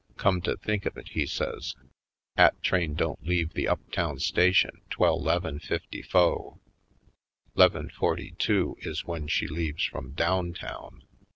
Come to think of it," he says, " 'at train don't leave the up town station 'twell 'leven fifty fo'. 'Leven forty two is w'en she leaves frum down town."